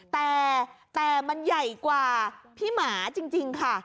แต่แต่มันใหญ่กว่าพี่หมาจริงค่ะ